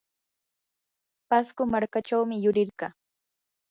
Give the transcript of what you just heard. pasco markachawmi yurirqaa.